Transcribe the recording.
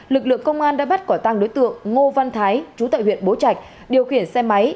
lực lượng công an đã bắt quả tăng đối tượng ngô văn thái chú tại huyện bố trạch điều khiển xe máy